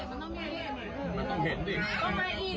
ใครถ่ายทันแล้ว